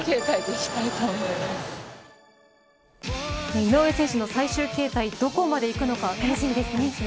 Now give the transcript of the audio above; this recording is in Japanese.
井上選手の最終形態どこまでいくのか楽しみです。